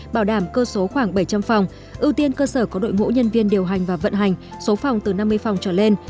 bảo đảm cơ số khoảng bảy trăm linh phòng ưu tiên cơ sở có đội ngũ nhân viên điều hành và vận hành số phòng từ năm mươi phòng trở lên